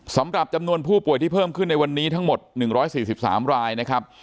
สำหรับจำนวนผู้ป่วยที่เพิ่มขึ้นในวันนี้ทั้งหมด๑๔๓รายนะครับ